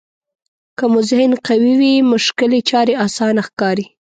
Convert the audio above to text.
که مو ذهن قوي وي مشکلې چارې اسانه ښکاري.